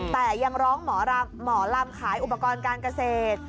แต่ยังร้องหมอลำขายอุปกรณ์การเกษตร